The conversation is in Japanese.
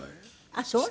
あっそう。